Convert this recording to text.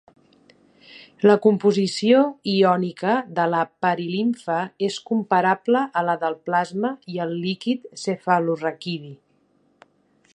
La composició iònica de la perilimfa és comparable a la del plasma i el líquid cefalorraquidi.